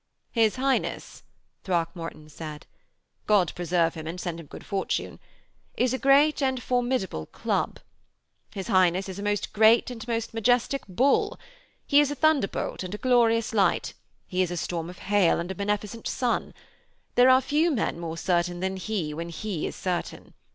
'His Highness,' Throckmorton said, 'God preserve him and send him good fortune is a great and formidable club. His Highness is a most great and most majestic bull. He is a thunderbolt and a glorious light; he is a storm of hail and a beneficent sun. There are few men more certain than he when he is certain.